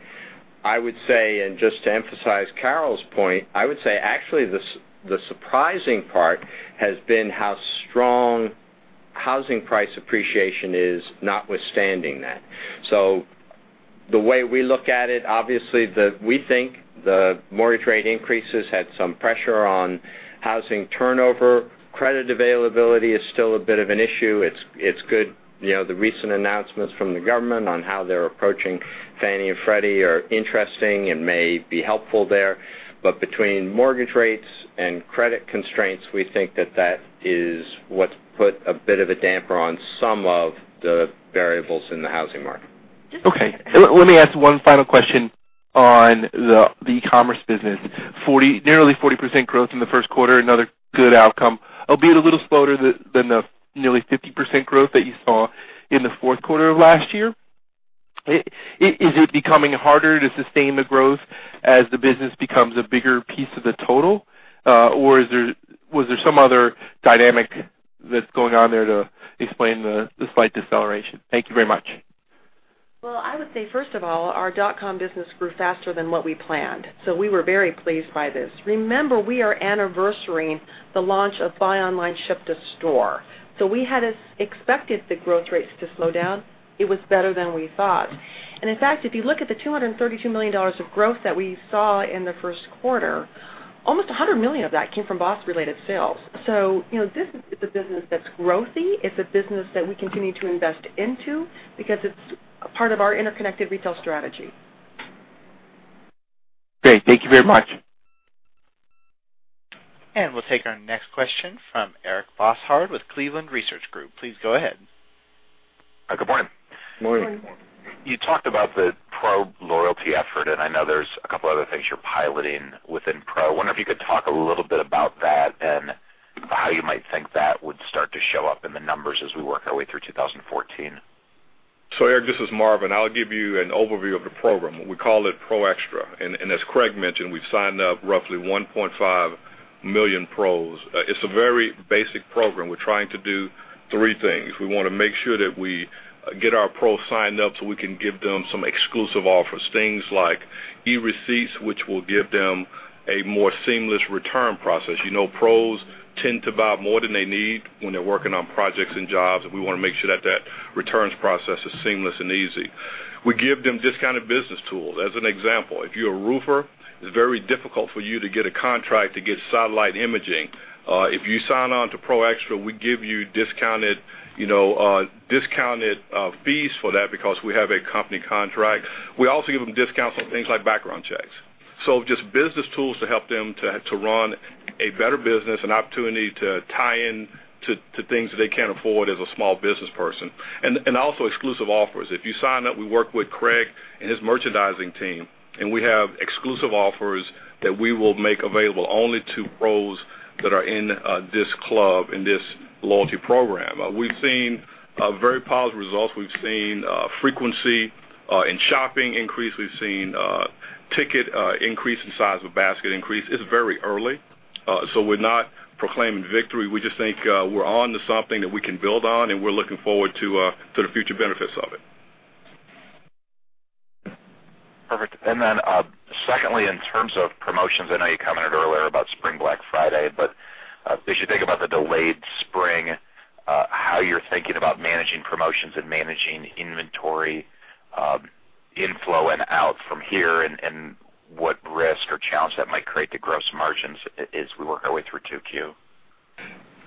I would say, just to emphasize Carol's point, I would say actually the surprising part has been how strong housing price appreciation is notwithstanding that. The way we look at it, obviously, we think the mortgage rate increases had some pressure on housing turnover. Credit availability is still a bit of an issue. It's good the recent announcements from the government on how they're approaching Fannie and Freddie are interesting and may be helpful there. Between mortgage rates and credit constraints, we think that that is what's put a bit of a damper on some of the variables in the housing market. Just to add- Okay. Let me ask one final question on the eCommerce business. Nearly 40% growth in the first quarter, another good outcome, albeit a little slower than the nearly 50% growth that you saw in the fourth quarter of last year. Is it becoming harder to sustain the growth as the business becomes a bigger piece of the total? Was there some other dynamic that's going on there to explain the slight deceleration? Thank you very much. I would say, first of all, our dotcom business grew faster than what we planned. We were very pleased by this. Remember, we are anniversarying the launch of Buy Online Ship to Store. We had expected the growth rates to slow down. It was better than we thought. In fact, if you look at the $232 million of growth that we saw in the first quarter, almost $100 million of that came from BOSS-related sales. This is a business that's growthy. It's a business that we continue to invest into because it's part of our interconnected retail strategy. Great. Thank you very much. We'll take our next question from Eric Bosshard with Cleveland Research Company. Please go ahead. Good morning. Morning. Morning. You talked about the Pro loyalty effort. I know there's a couple other things you're piloting within Pro. I wonder if you could talk a little bit about that and how you might think that would start to show up in the numbers as we work our way through 2014. Eric, this is Marvin. I'll give you an overview of the program. We call it Pro Xtra. As Craig mentioned, we've signed up roughly 1.5 million Pros. It's a very basic program. We're trying to do three things. We want to make sure that we get our Pros signed up so we can give them some exclusive offers, things like e-receipts, which will give them a more seamless return process. Pros tend to buy more than they need when they're working on projects and jobs. We want to make sure that that returns process is seamless and easy. We give them discounted business tools. As an example, if you're a roofer, it's very difficult for you to get a contract to get satellite imaging. If you sign on to Pro Xtra, we give you discounted fees for that because we have a company contract. We also give them discounts on things like background checks. Just business tools to help them to run a better business, an opportunity to tie in to things that they can't afford as a small business person. Also exclusive offers. If you sign up, we work with Craig and his merchandising team. We have exclusive offers that we will make available only to Pros that are in this club, in this loyalty program. We've seen very positive results. We've seen frequency in shopping increase. We've seen ticket increase and size of basket increase. It's very early. We're not proclaiming victory. We just think we're onto something that we can build on. We're looking forward to the future benefits of it. Perfect. Secondly, in terms of promotions, I know you commented earlier about Spring Black Friday. As you think about the delayed spring, how you're thinking about managing promotions and managing inventory inflow and out from here, what risk or challenge that might create to gross margins as we work our way through 2Q.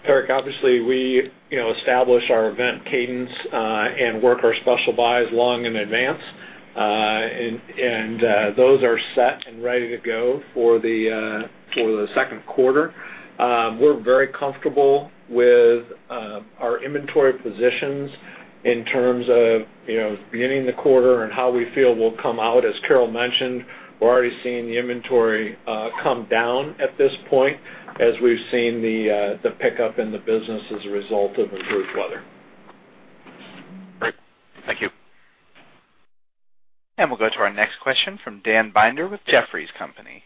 Eric, obviously, we establish our event cadence and work our special buys long in advance. Those are set and ready to go for the second quarter. We're very comfortable with our inventory positions in terms of beginning of the quarter and how we feel we'll come out. As Carol mentioned, we're already seeing the inventory come down at this point as we've seen the pickup in the business as a result of improved weather. Great. Thank you. We'll go to our next question from Dan Binder with Jefferies & Company.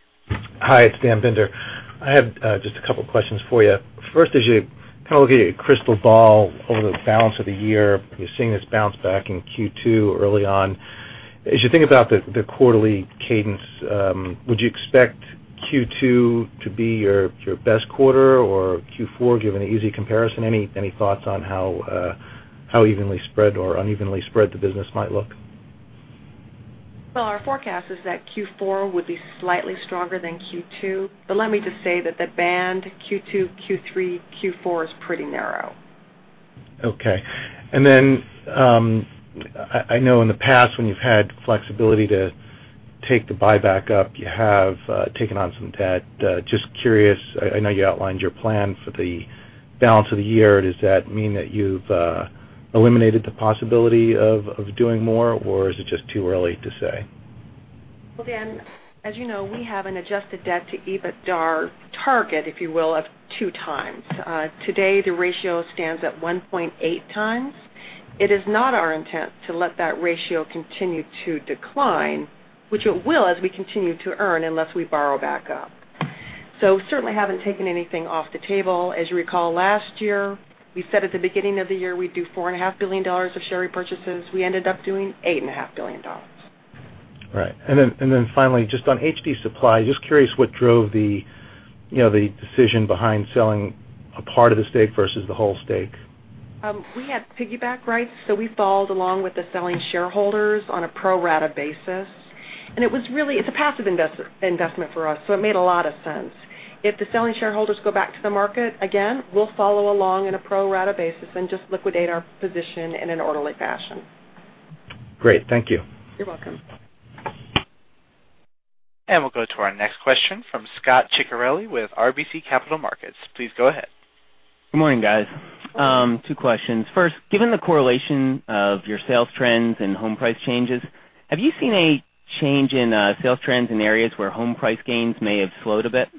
Hi, it's Dan Binder. I have just a couple of questions for you. First, as you look at your crystal ball over the balance of the year, you're seeing this bounce back in Q2 early on. As you think about the quarterly cadence, would you expect Q2 to be your best quarter or Q4, given the easy comparison? Any thoughts on how evenly spread or unevenly spread the business might look? Our forecast is that Q4 would be slightly stronger than Q2. Let me just say that the var Q2, Q3, Q4 is pretty narrow. Okay. I know in the past when you've had flexibility to take the buyback up, you have taken on some debt. Just curious, I know you outlined your plan for the balance of the year. Does that mean that you've eliminated the possibility of doing more, or is it just too early to say? Well, Dan, as you know, we have an adjusted debt to EBITDAR target, if you will, of two times. Today, the ratio stands at 1.8 times. It is not our intent to let that ratio continue to decline, which it will as we continue to earn unless we borrow back up. Certainly haven't taken anything off the table. As you recall, last year, we said at the beginning of the year, we'd do $4.5 billion of share repurchases. We ended up doing $8.5 billion. Right. Finally, just on HD Supply, just curious what drove the decision behind selling a part of the stake versus the whole stake? We have piggyback rights, so we followed along with the selling shareholders on a pro rata basis. It's a passive investment for us, so it made a lot of sense. If the selling shareholders go back to the market again, we'll follow along in a pro rata basis and just liquidate our position in an orderly fashion. Great. Thank you. You're welcome. We'll go to our next question from Scot Ciccarelli with RBC Capital Markets. Please go ahead. Good morning, guys. Two questions. First, given the correlation of your sales trends and home price changes, have you seen a change in sales trends in areas where home price gains may have slowed a bit?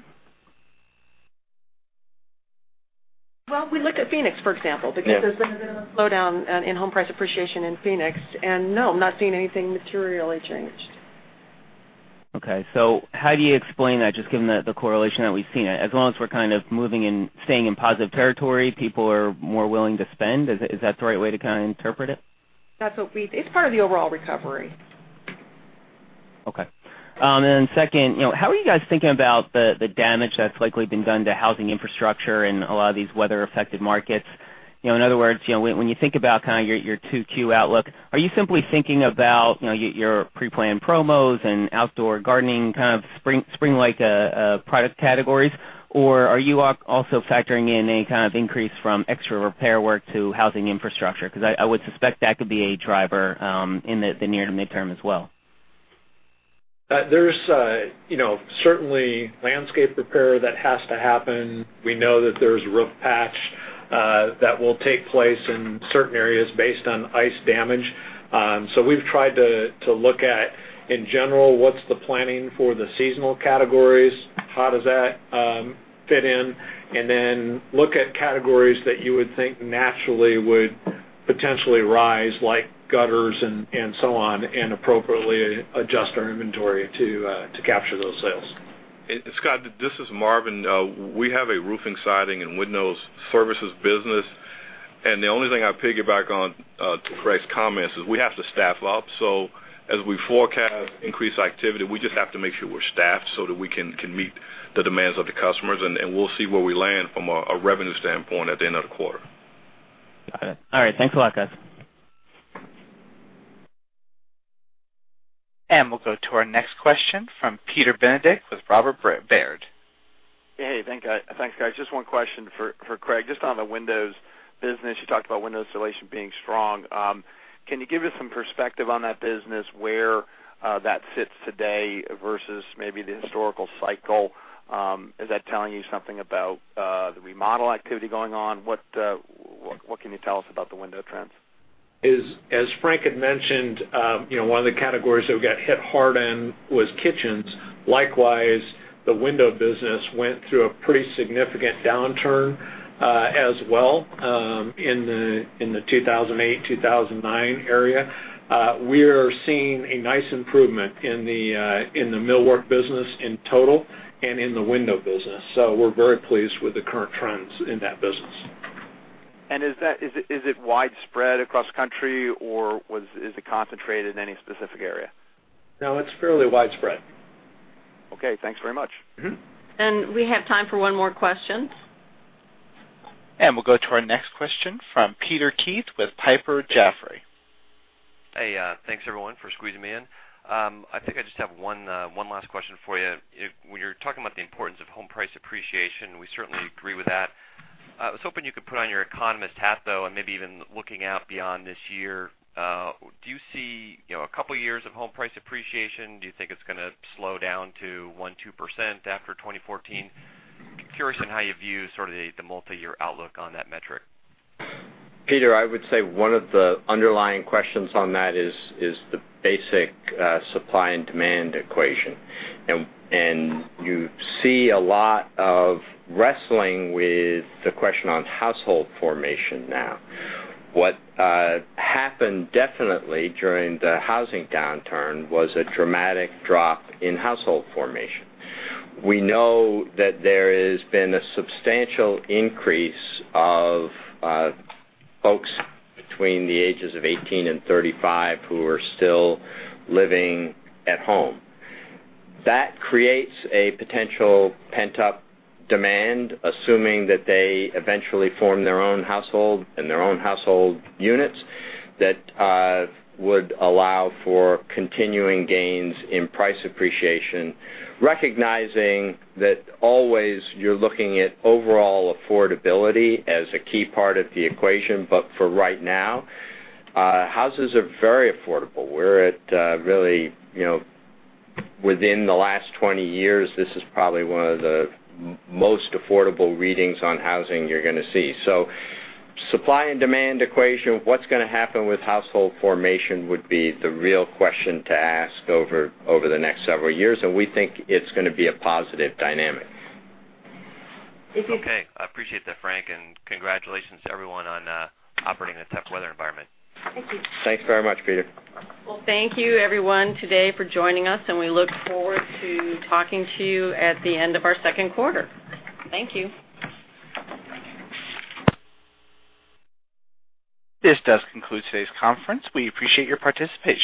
Well, we looked at Phoenix, for example. Yeah There's been a bit of a slowdown in home price appreciation in Phoenix, and no, I'm not seeing anything materially changed. Okay. How do you explain that, just given the correlation that we've seen? As long as we're kind of moving and staying in positive territory, people are more willing to spend. Is that the right way to kind of interpret it? It's part of the overall recovery. Okay. Second, how are you guys thinking about the damage that's likely been done to housing infrastructure in a lot of these weather-affected markets? In other words, when you think about your 2Q outlook, are you simply thinking about your pre-planned promos and outdoor gardening spring-like product categories, or are you also factoring in any kind of increase from extra repair work to housing infrastructure? Because I would suspect that could be a driver in the near to midterm as well. There's certainly landscape repair that has to happen. We know that there's roof patch that will take place in certain areas based on ice damage. We've tried to look at, in general, what's the planning for the seasonal categories, how does that fit in, then look at categories that you would think naturally would potentially rise, like gutters and so on, and appropriately adjust our inventory to capture those sales. Scot, this is Marvin. We have a roofing, siding, and windows services business, and the only thing I piggyback on to Craig's comments is we have to staff up. As we forecast increased activity, we just have to make sure we're staffed so that we can meet the demands of the customers, and we'll see where we land from a revenue standpoint at the end of the quarter. Got it. All right. Thanks a lot, guys. We'll go to our next question from Peter Benedict with Robert W. Baird & Co. Hey. Thanks, guys. Just one question for Craig. Just on the windows business, you talked about window installation being strong. Can you give us some perspective on that business, where that sits today versus maybe the historical cycle? Is that telling you something about the remodel activity going on? What can you tell us about the window trends? As Frank had mentioned, one of the categories that we got hit hard in was kitchens. Likewise, the window business went through a pretty significant downturn as well in the 2008-2009 area. We're seeing a nice improvement in the millwork business in total and in the window business. We're very pleased with the current trends in that business. Is it widespread across country, or is it concentrated in any specific area? No, it's fairly widespread. Okay. Thanks very much. We have time for one more question. We'll go to our next question from Peter Keith with Piper Jaffray. Hey, thanks everyone for squeezing me in. I think I just have one last question for you. When you're talking about the importance of home price appreciation, we certainly agree with that. I was hoping you could put on your economist hat, though, and maybe even looking out beyond this year, do you see a couple of years of home price appreciation? Do you think it's going to slow down to 1%, 2% after 2014? Curious on how you view sort of the multi-year outlook on that metric. Peter, I would say one of the underlying questions on that is the basic supply and demand equation. You see a lot of wrestling with the question on household formation now. What happened definitely during the housing downturn was a dramatic drop in household formation. We know that there has been a substantial increase of folks between the ages of 18 and 35 who are still living at home. That creates a potential pent-up demand, assuming that they eventually form their own household and their own household units that would allow for continuing gains in price appreciation, recognizing that always you're looking at overall affordability as a key part of the equation. For right now, houses are very affordable. Within the last 20 years, this is probably one of the most affordable readings on housing you're going to see. Supply and demand equation, what's going to happen with household formation would be the real question to ask over the next several years, and we think it's going to be a positive dynamic. Okay. I appreciate that, Frank, and congratulations to everyone on operating in a tough weather environment. Thank you. Thanks very much, Peter. Well, thank you everyone today for joining us, and we look forward to talking to you at the end of our second quarter. Thank you. This does conclude today's conference. We appreciate your participation.